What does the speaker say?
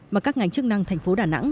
mà các ngành chức năng thành phố đà nẵng